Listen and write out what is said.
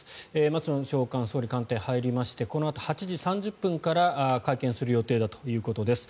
松野長官、総理官邸に入りましてこのあと８時３０分から、会見をする予定だということです。